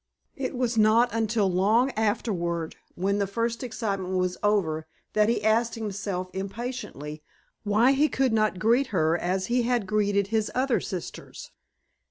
It was not until long afterward, when the first excitement was over, that he asked himself impatiently why he could not greet her as he had greeted his other sisters.